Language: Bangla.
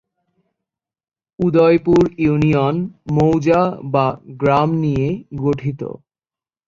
উদয়পুর ইউনিয়ন মৌজা/গ্রাম নিয়ে গঠিত।